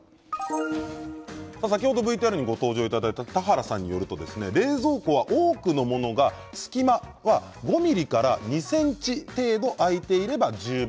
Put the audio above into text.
先ほどＶＴＲにも登場いただいた田原さんによると冷蔵庫は多くのものが隙間は５ｍｍから２ｃｍ程度開いていれば十分。